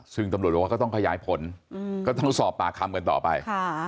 ซึ่งตำรวจบอกว่าก็ต้องขยายผลก็ต้องสอบปากคำกันต่อไป